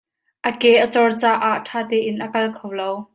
A ke a cor caah ṭhatein a kal kho lo.